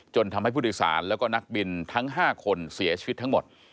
ทำให้ผู้โดยสารแล้วก็นักบินทั้ง๕คนเสียชีวิตทั้งหมด